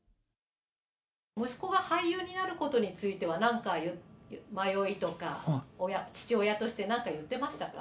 息子が俳優になることについては、なんか迷いとか、父親として何か言ってましたか？